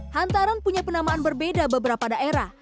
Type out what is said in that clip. hantaran punya penamaan berbeda beberapa daerah